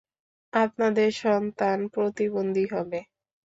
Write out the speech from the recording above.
আপনাদের সন্তান প্রতিবন্ধী হবে।